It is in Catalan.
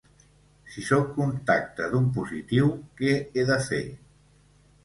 Si sóc contacte d’un positiu, què he de fer?